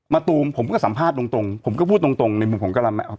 ตูมผมก็สัมภาษณ์ตรงตรงผมก็พูดตรงตรงในมุมของกะละแม